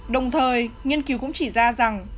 đồng thời nghiên cứu cũng chỉ ra rằng